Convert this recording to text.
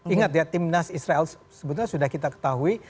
ingat ya timnas israel sebetulnya sudah kita ketahui